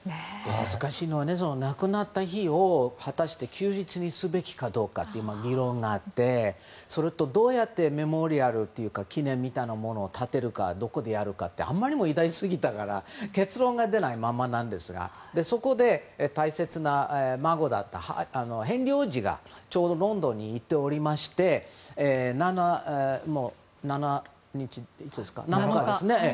難しいのは亡くなった日を、果たして休日にすべきかどうかという議論があって、それとどうやってメモリアルというか記念みたいなものを建てるかどこでやるかってあまりにも偉大すぎたから結論が出ないままなんですがそこで大切な孫だったヘンリー王子がちょうどロンドンに行っておりまして７日ですね。